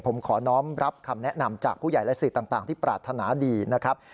ผมขอน้องรับคำแนะนำจากผู้ใหญ่และสื่อต่างที่ปรารถนาดีนะครับ